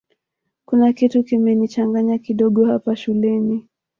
kuna kitu kimenichanganya kidogo hapa shuleni